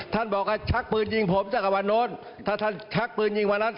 ท่านบอกว่าชักปืนยิงผมจักรวันโน้นถ้าท่านชักปืนยิงวันนั้น